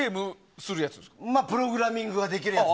プログラミングができるやつ。